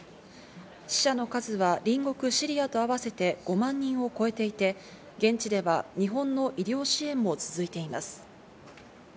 死者の数は隣国シリアと合わせて５万人を超えていて、現地では日本の医療支援も続いています。